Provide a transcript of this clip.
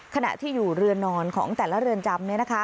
ขณะที่อยู่เรือนนอนของแต่ละเรือนจำ